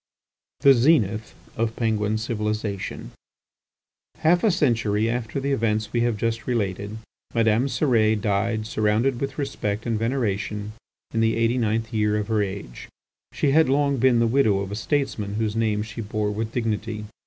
THE ZENITH OF PENGUIN CIVILIZATION Half a century after the events we have just related, Madame Cérès died surrounded with respect and veneration, in the eighty ninth year of her age. She had long been the widow of a statesman whose name she bore with dignity.